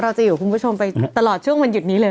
จะอยู่กับคุณผู้ชมไปตลอดช่วงวันหยุดนี้เลย